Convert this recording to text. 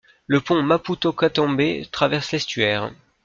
Le Pont Maputo-Catembe traverse l'estuaire.